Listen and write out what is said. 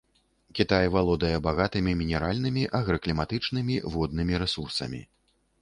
Кітай валодае багатымі мінеральнымі, агракліматычнымі, воднымі рэсурсамі.